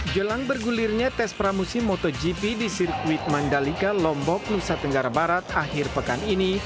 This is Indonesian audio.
jelang bergulirnya tes pramusim motogp di sirkuit mandalika lombok nusa tenggara barat akhir pekan ini